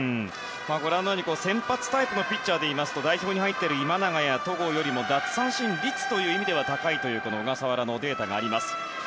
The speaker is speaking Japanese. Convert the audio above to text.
先発タイプのピッチャーでいいますと代表に入っている今永や戸郷よりも奪三振率では高いという小笠原のデータがあります。